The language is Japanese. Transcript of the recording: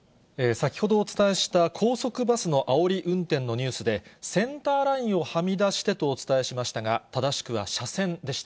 先ほどお伝えした、高速バスのあおり運転のニュースで、センターラインをはみ出してとお伝えしましたが、正しくは車線でした。